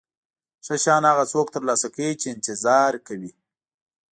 ښه شیان هغه څوک ترلاسه کوي چې انتظار کوي.